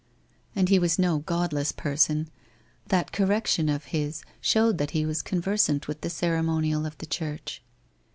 And he was no godless person; that correction of his showed that he was conversant with the ceremonial of the church.